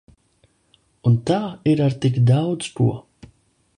Un tā ir ar tik daudz ko.